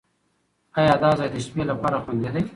ایا دا ځای د شپې لپاره خوندي دی؟